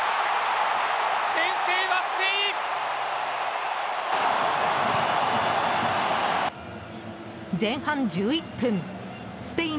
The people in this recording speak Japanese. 先制はスペイン！